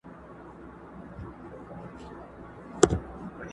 چي د مور خبره ومني او غلی پاته سي